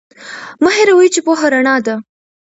مه هیروئ چې پوهه رڼا ده.